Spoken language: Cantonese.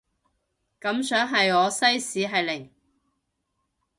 感想係我西史係零